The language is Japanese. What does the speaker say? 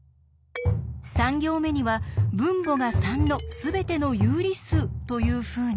３行目には分母が３のすべての有理数というふうに。